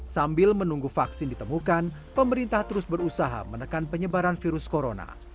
sambil menunggu vaksin ditemukan pemerintah terus berusaha menekan penyebaran virus corona